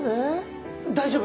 大丈夫？